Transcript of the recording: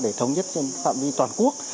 để thống nhất trên phạm vi toàn quốc